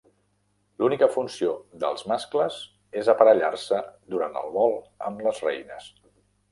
L'única funció dels mascles és aparellar-se durant el vol amb les reines.